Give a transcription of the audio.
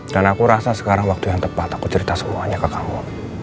dan aku rasa sekarang waktu yang tepat aku cerita semuanya ke kamu